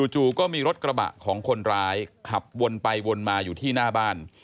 จู่ก็มีรถกระบะของคนร้ายขับวนไปวนมาอยู่ที่หน้าบ้าน